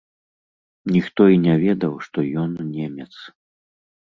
Ніхто і не ведаў, што ён немец.